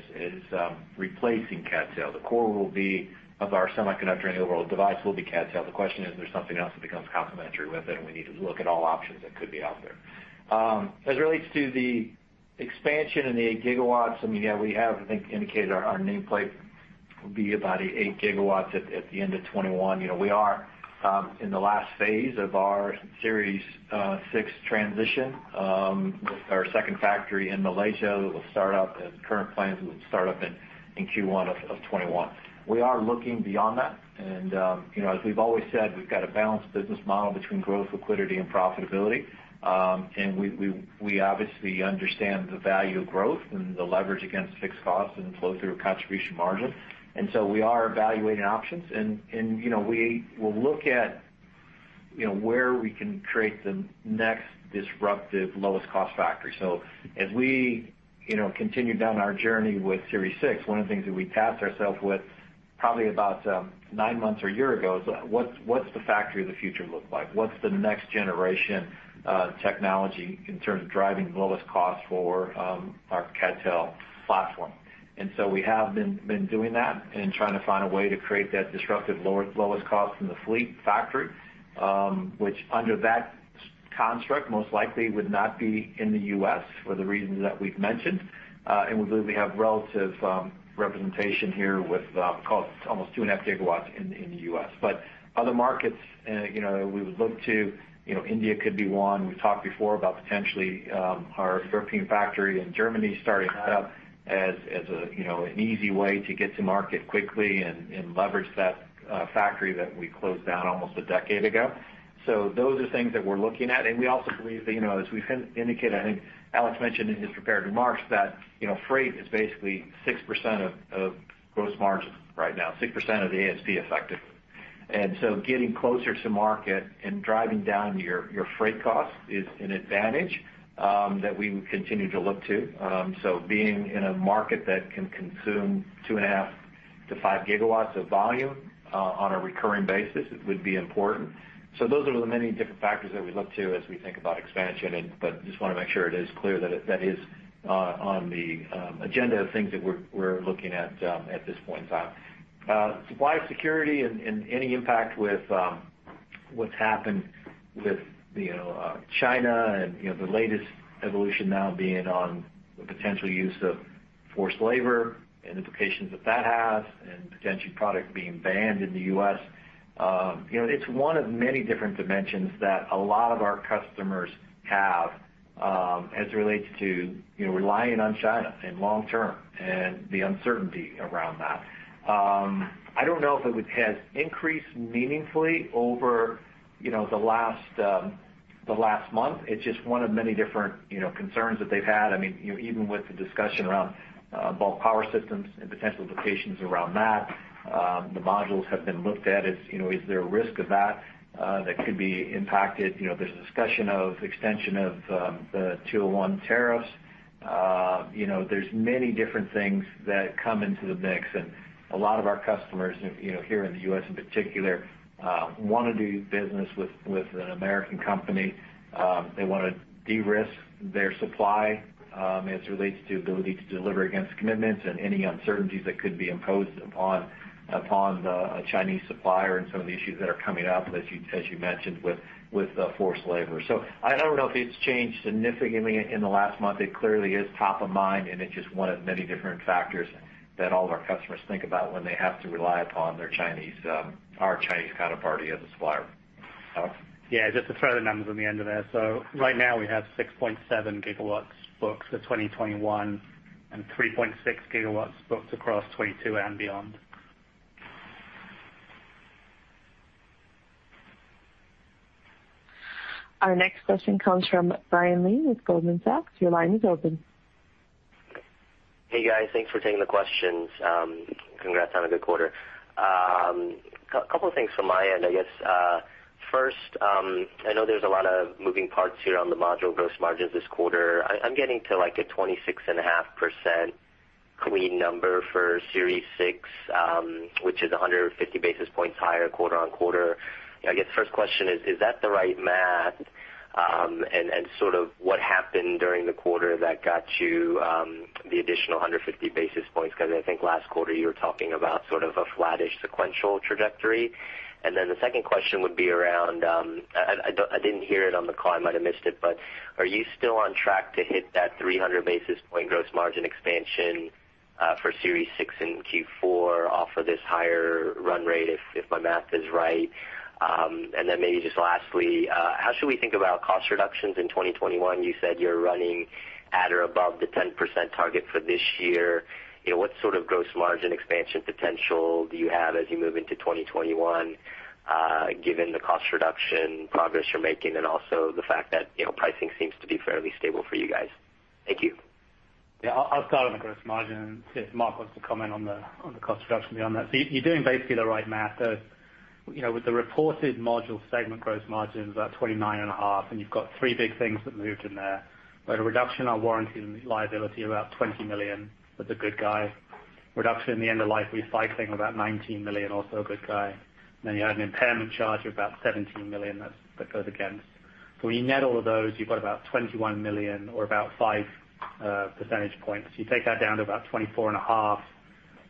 replacing CdTe. The core will be of our semiconductor and the overall device will be CdTe. The question is there something else that becomes complementary with it, and we need to look at all options that could be out there. As it relates to the expansion in the 8 GW, we have, I think, indicated our nameplate will be about 8 GW at the end of 2021. We are in the last phase of our Series 6 transition, with our second factory in Malaysia that will start up, and current plans will start up in Q1 2021. We are looking beyond that. As we've always said, we've got a balanced business model between growth, liquidity, and profitability. We obviously understand the value of growth and the leverage against fixed costs and flow through contribution margin. We are evaluating options, and we will look at where we can create the next disruptive lowest cost factory. As we continue down our journey with Series 6, one of the things that we tasked ourselves with. Probably about nine months or a year ago, what's the factory of the future look like? What's the next generation technology in terms of driving the lowest cost for our CdTe platform? We have been doing that and trying to find a way to create that disruptive lowest cost from the future factory, which under that construct, most likely would not be in the U.S. for the reasons that we've mentioned. We believe we have relative representation here with almost 2.5 GW In the U.S. Other markets we would look to, India could be one. We've talked before about potentially our factory in Germany, starting that up as an easy way to get to market quickly and leverage that factory that we closed down almost a decade ago. Those are things that we're looking at. We also believe that, as we've indicated, I think Alex mentioned in his prepared remarks that, freight is basically 6% of gross margin right now, 6% of the ASP, effectively. Getting closer to market and driving down your freight cost is an advantage that we would continue to look to. Being in a market that can consume 2.5 GW to 5 GW of volume on a recurring basis would be important. Those are the many different factors that we look to as we think about expansion, but just want to make sure it is clear that is on the agenda of things that we're looking at this point in time. Supply security and any impact with what's happened with China and the latest evolution now being on the potential use of forced labor and implications that that has and potential product being banned in the U.S. It's one of many different dimensions that a lot of our customers have as it relates to relying on China in long term and the uncertainty around that. I don't know if it has increased meaningfully over the last month. It's just one of many different concerns that they've had. Even with the discussion around bulk power systems and potential implications around that, the modules have been looked at as, is there a risk of that could be impacted? There's a discussion of extension of the 201 tariffs. There's many different things that come into the mix and a lot of our customers, here in the U.S. in particular, want to do business with an American company. They want to de-risk their supply as it relates to ability to deliver against commitments and any uncertainties that could be imposed upon the Chinese supplier and some of the issues that are coming up, as you mentioned with the forced labor. I don't know if it's changed significantly in the last month. It clearly is top of mind, and it's just one of many different factors that all of our customers think about when they have to rely upon our Chinese counterparty as a supplier. Alex? Yeah, just to throw the numbers on the end of there. Right now we have 6.7 GW booked for 2021 and 3.6 GW booked across 2022 and beyond. Our next question comes from Brian Lee with Goldman Sachs. Your line is open. Hey, guys. Thanks for taking the questions. Congrats on a good quarter. A couple things from my end, I guess. I know there's a lot of moving parts here on the module gross margins this quarter. I'm getting to like a 26.5% clean number for Series 6, which is 150 basis points higher quarter-on-quarter. I guess first question is that the right math? Sort of what happened during the quarter that got you the additional 150 basis points, because I think last quarter you were talking about sort of a flattish sequential trajectory. The second question would be around, I didn't hear it on the call, I might have missed it, but are you still on track to hit that 300 basis point gross margin expansion for Series 6 in Q4 off of this higher run rate, if my math is right? Maybe just lastly, how should we think about cost reductions in 2021? You said you're running at or above the 10% target for this year. What sort of gross margin expansion potential do you have as you move into 2021, given the cost reduction progress you're making and also the fact that pricing seems to be fairly stable for you guys? Thank you. Yeah, I'll start on the gross margin and see if Mark wants to comment on the cost reduction beyond that. You're doing basically the right math. With the reported module segment gross margins, about 29.5%, and you've got three big things that moved in there. We had a reduction on warranty liability of about $20 million. That's a good guy. Reduction in the end-of-life recycling of about $19 million, also a good guy. You had an impairment charge of about $17 million that goes against. When you net all of those, you've got about $21 million or about 5 percentage points. You take that down to about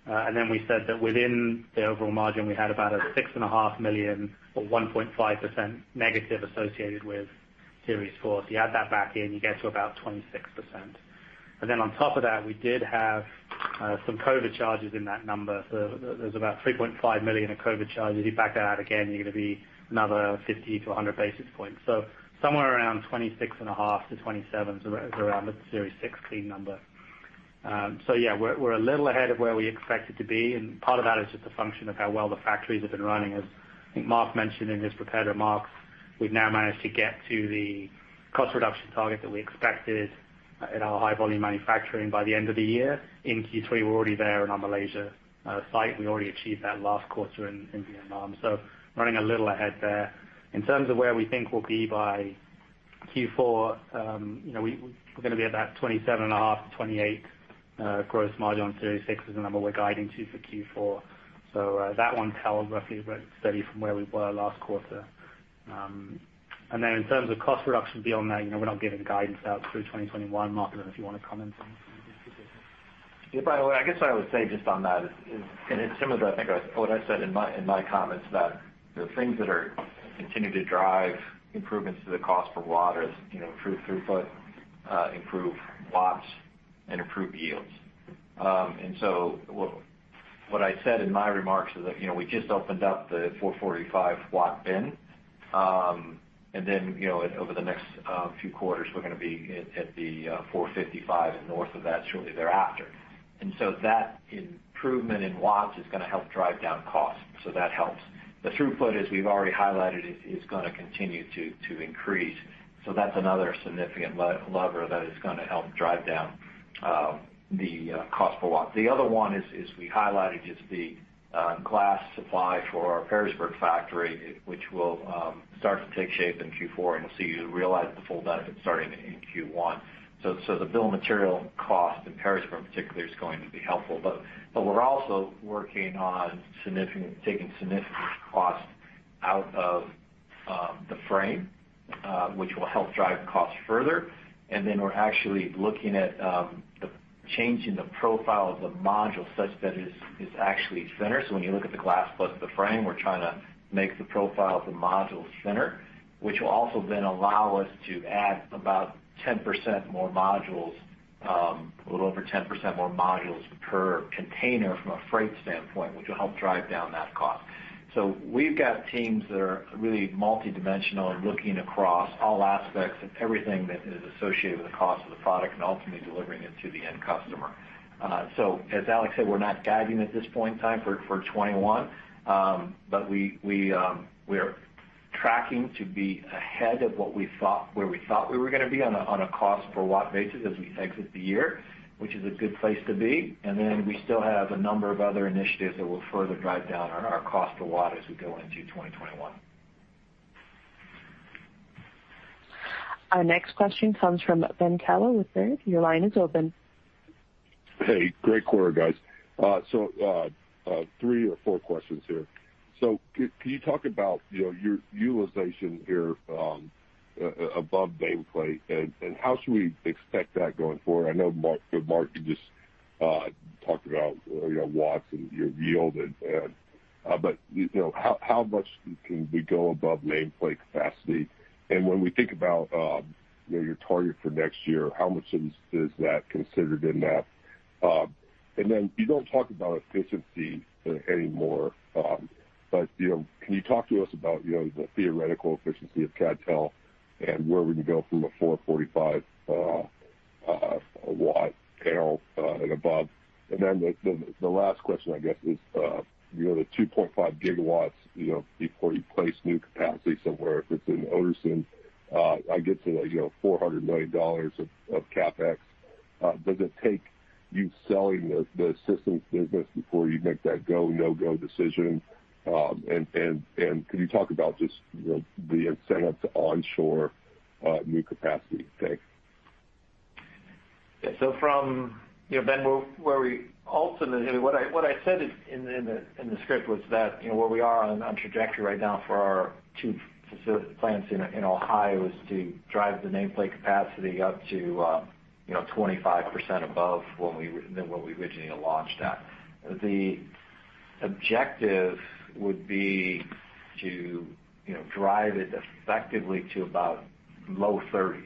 24.5%. We said that within the overall margin, we had about a $6.5 million or 1.5% negative associated with Series 4. You add that back in, you get to about 26%. Then on top of that, we did have some COVID-19 charges in that number. There's about $3.5 million of COVID-19 charges. You back that out again, you're going to be another 50 to 100 basis points. Somewhere around 26.5% to 27% is around the Series 6 clean number. Yeah, we're a little ahead of where we expected to be, and part of that is just a function of how well the factories have been running. As I think Mark mentioned in his prepared remarks, we've now managed to get to the cost reduction target that we expected in our high volume manufacturing by the end of the year. In Q3, we're already there in our Malaysia site. We already achieved that last quarter in Vietnam. Running a little ahead there. In terms of where we think we'll be by Q4, we're going to be at that 27.5%, 28% gross margin on series 6 is the number we're guiding to for Q4. That one tells roughly we're steady from where we were last quarter. Then in terms of cost reduction beyond that, we're not giving guidance out through 2021. Mark, I don't know if you want to comment on any of this. Yeah, Brian, I guess what I would say just on that is, and it's similar to, I think, what I said in my comments, that the things that continue to drive improvements to the cost per watt are improved throughput, improved watts, and improved yields. What I said in my remarks is that we just opened up the 445 W in. Over the next few quarters, we're going to be at the 455 W and north of that shortly thereafter. That improvement in watts is going to help drive down costs, so that helps. The throughput, as we've already highlighted, is going to continue to increase. That's another significant lever that is going to help drive down the cost per watt. The other one is, we highlighted, is the glass supply for our Perrysburg factory, which will start to take shape in Q4, and we'll see you realize the full benefit starting in Q1. The bill of material cost in Perrysburg particularly is going to be helpful. We're also working on taking significant cost out of the frame, which will help drive costs further. Then we're actually looking at changing the profile of the module such that it's actually thinner. When you look at the glass plus the frame, we're trying to make the profile of the module thinner, which will also then allow us to add about 10% more modules, a little over 10% more modules per container from a freight standpoint, which will help drive down that cost. We've got teams that are really multidimensional and looking across all aspects of everything that is associated with the cost of the product and ultimately delivering it to the end customer. As Alex said, we're not guiding at this point in time for 2021. We are tracking to be ahead of where we thought we were going to be on a cost per watt basis as we exit the year, which is a good place to be. We still have a number of other initiatives that will further drive down our cost a watt as we go into 2021. Our next question comes from Ben Kallo with Baird. Your line is open. Hey, great quarter, guys. Three or four questions here. Can you talk about your utilization here above nameplate, and how should we expect that going forward? I know, Mark, you just talked about watts and your yield. How much can we go above nameplate capacity? When we think about your target for next year, how much is that considered in that? You don't talk about efficiency anymore. Can you talk to us about the theoretical efficiency of CdTe and where we can go from a 445 W panel and above? The last question, I guess is, the 2.5 GW before you place new capacity somewhere, if it's in Oderson, I get to $400 million of CapEx. Does it take you selling the systems business before you make that go, no-go decision? Can you talk about just the incentive to onshore new capacity? Thanks. Ben, what I said in the script was that where we are on trajectory right now for our two specific plants in Ohio is to drive the nameplate capacity up to 25% above what we originally launched at. The objective would be to drive it effectively to about low 30s.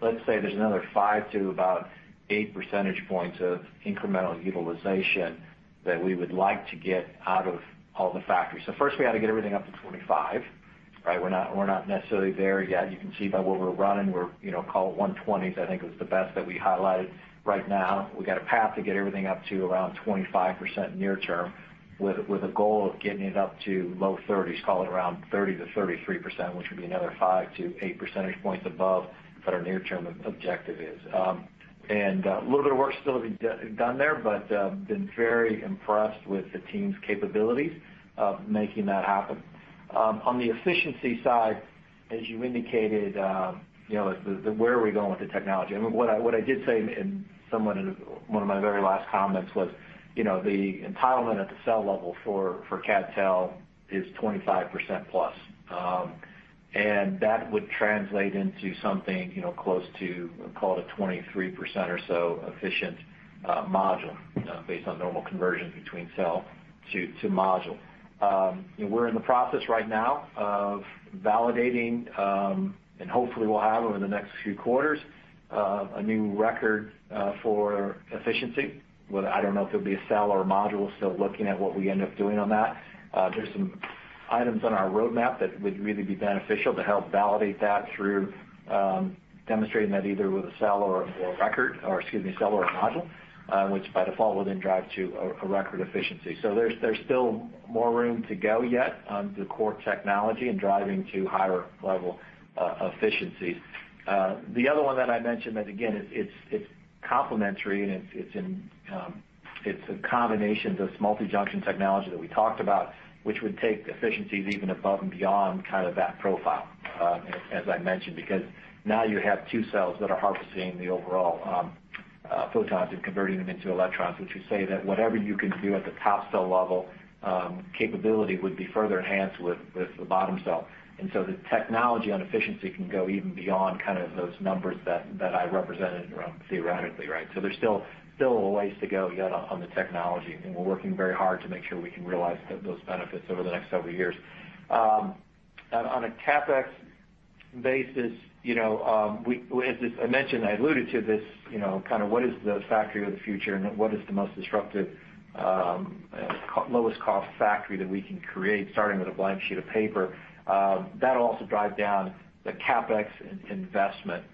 Let's say there's another 5 to about 8 percentage points of incremental utilization that we would like to get out of all the factories. First we had to get everything up to 25%, right? We're not necessarily there yet. You can see by what we're running, call it 120s, I think is the best that we highlighted right now. We've got a path to get everything up to around 25% near term with a goal of getting it up to low 30s, call it around 30%-33%, which would be another 5 to 8 percentage points above what our near-term objective is. A little bit of work still to be done there, but been very impressed with the team's capabilities of making that happen. On the efficiency side, as you indicated, where are we going with the technology? What I did say in one of my very last comments was the entitlement at the cell level for CdTe is 25%+. That would translate into something close to, call it a 23% or so efficient module based on normal conversion between cell to module. We're in the process right now of validating, and hopefully we'll have over the next few quarters, a new record for efficiency. I don't know if it'll be a cell or a module. Still looking at what we end up doing on that. There's some items on our roadmap that would really be beneficial to help validate that through demonstrating that either with a cell or a module, which by default would then drive to a record efficiency. There's still more room to go yet on the core technology and driving to higher level efficiencies. The other one that I mentioned that again, it's complementary, and it's a combination, this multi-junction technology that we talked about, which would take efficiencies even above and beyond that profile, as I mentioned, because now you have two cells that are harvesting the overall photons and converting them into electrons, which would say that whatever you can do at the top cell level capability would be further enhanced with the bottom cell. The technology on efficiency can go even beyond those numbers that I represented around theoretically. There's still a ways to go yet on the technology, and we're working very hard to make sure we can realize those benefits over the next several years. On a CapEx basis, as I mentioned, I alluded to this, what is the factory of the future and what is the most disruptive, lowest-cost factory that we can create, starting with a blank sheet of paper. That'll also drive down the CapEx investment,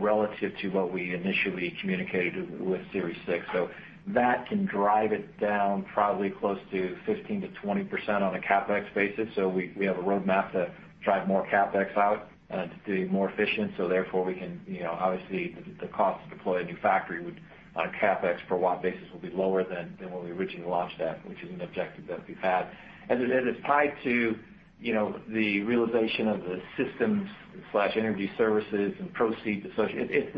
relative to what we initially communicated with Series 6. That can drive it down probably close to 15%-20% on a CapEx basis. We have a roadmap to drive more CapEx out to be more efficient, so therefore the cost to deploy a new factory on a CapEx per watt basis will be lower than when we originally launched that, which is an objective that we've had. As it is tied to the realization of the systems/energy services and proceeds associated,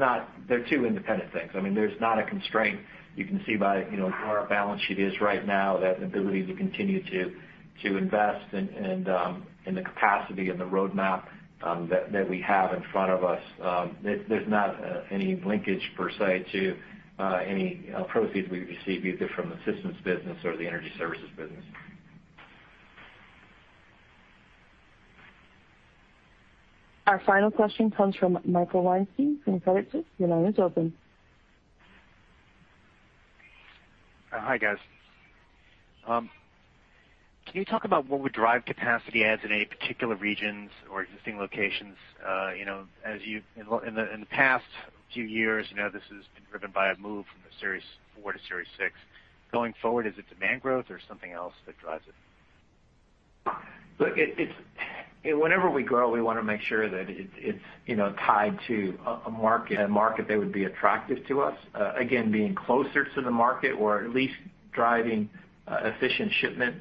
they're two independent things. There's not a constraint. You can see by how our balance sheet is right now, that ability to continue to invest and the capacity and the roadmap that we have in front of us, there's not any linkage per se to any proceeds we receive, either from the systems business or the energy services business. Our final question comes from Michael Weinstein from Credit Suisse. Your line is open. Hi, guys. Can you talk about what would drive capacity adds in any particular regions or existing locations? In the past few years, this has been driven by a move from the Series 4 to Series 6. Going forward, is it demand growth or something else that drives it? Look, whenever we grow, we want to make sure that it's tied to a market that would be attractive to us. Again, being closer to the market or at least driving efficient shipment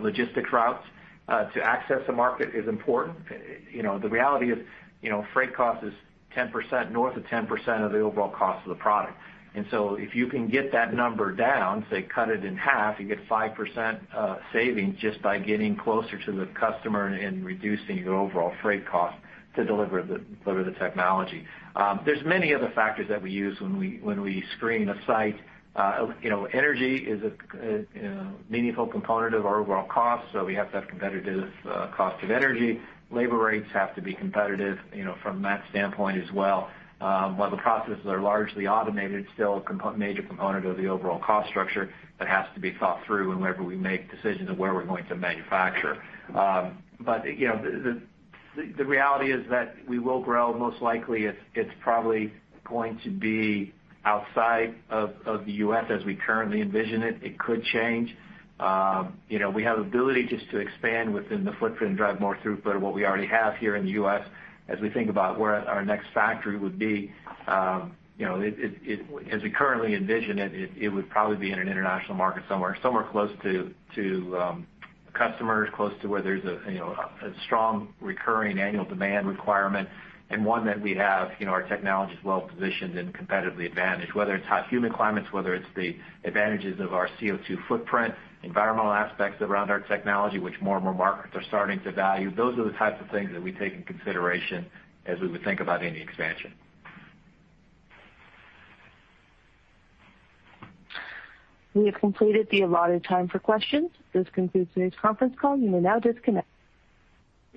logistics routes to access a market is important. The reality is freight cost is north of 10% of the overall cost of the product. If you can get that number down, say, cut it in 1/2, you get 5% savings just by getting closer to the customer and reducing your overall freight cost to deliver the technology. There's many other factors that we use when we screen a site. Energy is a meaningful component of our overall cost, so we have to have competitive cost of energy. Labor rates have to be competitive from that standpoint as well. While the processes are largely automated, it's still a major component of the overall cost structure that has to be thought through whenever we make decisions of where we're going to manufacture. The reality is that we will grow. Most likely, it's probably going to be outside of the U.S. as we currently envision it. It could change. We have ability just to expand within the footprint and drive more throughput of what we already have here in the U.S. as we think about where our next factory would be. As we currently envision it would probably be in an international market somewhere close to customers, close to where there's a strong recurring annual demand requirement and one that our technology's well-positioned and competitively advantaged, whether it's hot humid climates, whether it's the advantages of our CO2 footprint, environmental aspects around our technology, which more and more markets are starting to value. Those are the types of things that we take into consideration as we would think about any expansion. We have completed the allotted time for questions. This concludes today's conference call. You may now disconnect.